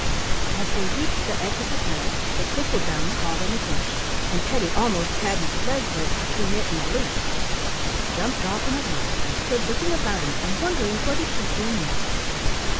As they reached the edge of the hill the thistle down caught on a bush, and Teddy almost has his leg wedged between it and a leaf. He jumped off in a hurry, and stood looking about him and wondering what he should do next.